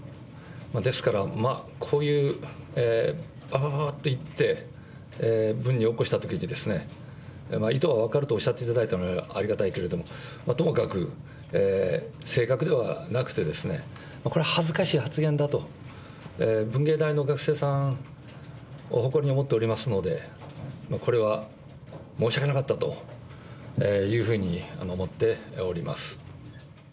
ですから、こういう、あはははと言って文に起こしたときに、意図は分かるとおっしゃっていただいたのはありがたいけども、ともかく、正確ではなくてですね、これは恥ずかしい発言だと、文芸大の学生さん、誇りに思っておりますので、これは申し訳なかったというふうに思っております。